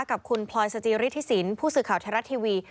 กับคุณพลอยสจิริฐศิลป์ผู้สื่อข่าวไทรรัตน์ทีวี